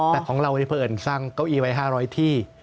แต่ของเราเพราะเอิญสร้างเก้าอี้ไว้๕๐๐ที่